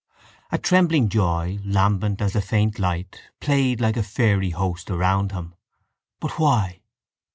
A trembling joy, lambent as a faint light, played like a fairy host around him. But why?